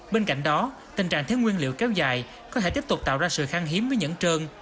bên cạnh đó tình trạng thiếu nguyên liệu kéo dài có thể tiếp tục tạo ra sự khăn hiếm với nhẫn trơn